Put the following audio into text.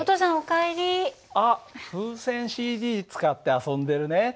あっ風船ＣＤ使って遊んでるね。